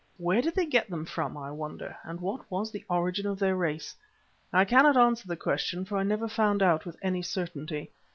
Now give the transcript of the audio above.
Where did they get them from, I wonder, and what was the origin of their race? I cannot answer the question, for I never found out with any certainty.